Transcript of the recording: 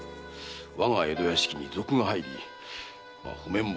我が江戸屋敷に賊が入り面目